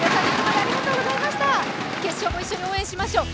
決勝も一緒に応援しましょう。